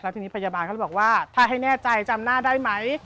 ทีนี้พยาบาลเขาเลยบอกว่าถ้าให้แน่ใจจำหน้าได้ไหม